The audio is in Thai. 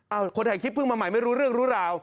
เอาคนถ่ายคลิปเพิ่งมาใหม่ไม่รู้เรื่องรู้ราว